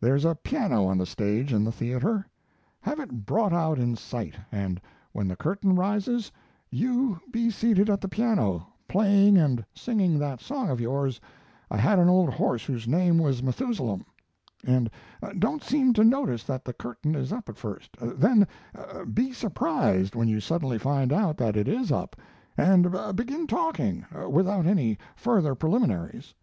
There's a piano on the stage in the theater. Have it brought out in sight, and when the curtain rises you be seated at the piano, playing and singing that song of yours, 'I Had an Old Horse Whose Name Was Methusalem,' and don't seem to notice that the curtain is up at first; then be surprised when you suddenly find out that it is up, and begin talking, without any further preliminaries."